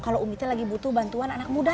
kalau umm gita lagi butuh bantuan anak muda